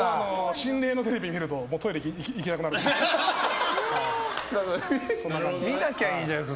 心霊のテレビ見るともうトイレ行けなくなるんです。